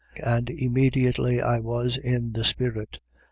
4:2. And immediately I was in the spirit.